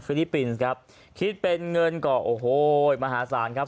ลิปปินส์ครับคิดเป็นเงินก็โอ้โหมหาศาลครับ